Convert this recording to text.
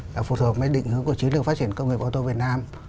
là phù hợp với định hướng của chính lượng phát triển công nghiệp ô tô việt nam